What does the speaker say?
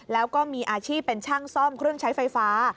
แล้วก็มีอาชีพเป็นช่างซ่อมเครื่องใช้ไฟฟ้า